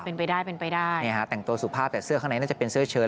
เป็นไปได้เป็นไปได้เนี่ยฮะแต่งตัวสุภาพแต่เสื้อข้างในน่าจะเป็นเสื้อเชิญ